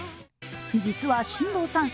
実は新藤さん